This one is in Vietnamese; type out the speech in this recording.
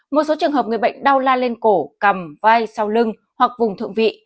một số trường hợp người bệnh đau la lên cổ cầm vai sau lưng hoặc vùng thượng vị